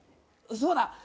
そうだ！